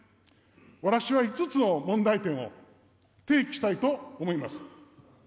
私は５つの問題点を提起したいと思います。